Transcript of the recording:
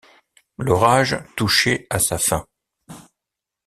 L’orage touchait à sa fin.